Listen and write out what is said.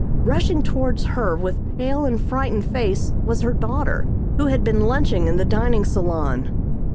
Rushing towards her with pale and frightened face was her daughter who had been lunching in the dining salon.